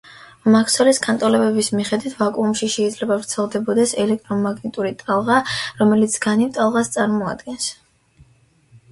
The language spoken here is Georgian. მაქსველის განტოლებების მიხედვით ვაკუუმში შეიძლება ვრცელდებოდეს ელექტრომაგნიტური ტალღა, რომელიც განივ ტალღას წარმოადგენს.